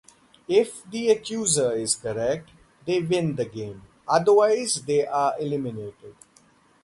If the accuser is correct, they win the game, otherwise they are eliminated.